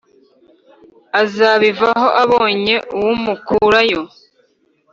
azabivaho abonye uw’umukurayo"